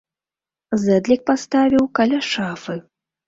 Зэдлік паставіў каля шафы.